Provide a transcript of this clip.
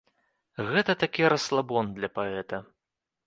Гэта такі расслабон для паэта.